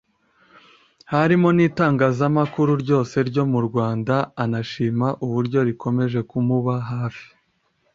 harimo n’itangazamakuru ryose ryo mu Rwanda anashima uburyo rikomeje kumuba hafi